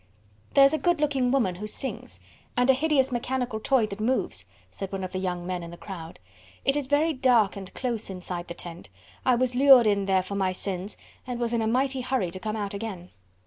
"There's a good looking woman who sings, and a hideous mechanical toy that moves," said one of the young men in the crowd. "It is very dark and close inside the tent. I was lured in there for my sins, and was in a mighty hurry to come out again."